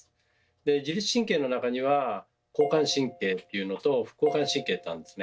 で自律神経の中には「交感神経」っていうのと「副交感神経」ってあるんですね。